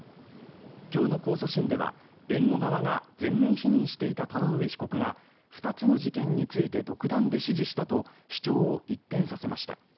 今日の控訴審では、弁護側が全面否認していた田上被告が２つの事件について独断で指示したと主張を一転させました。